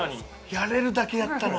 やれるだけやったな。